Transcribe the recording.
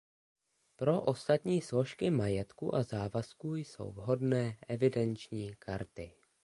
Pro ostatní složky majetku a závazků jsou vhodné evidenční karty.